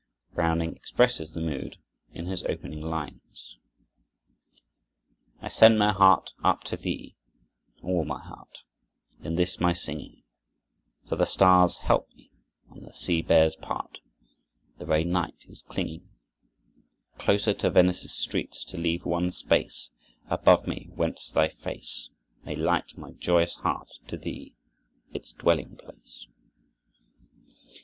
Browning expresses the mood in his opening lines: "I send my heart up to thee, all my heart, In this my singing; For the stars help me and the sea bears part; The very night is clinging Closer to Venice's streets to leave one space Above me, whence thy face May light my joyous heart to thee, its dwelling place."